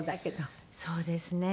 そうですね。